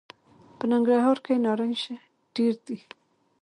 په ننګرهار کي نارنج ډېر دي .